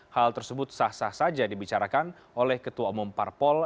hal tersebut sah sah saja dibicarakan oleh ketua umum parpol